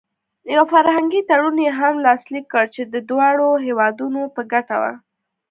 یو فرهنګي تړون یې هم لاسلیک کړ چې د دواړو هېوادونو په ګټه و.